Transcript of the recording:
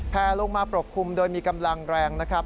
แพลลงมาปกคลุมโดยมีกำลังแรงนะครับ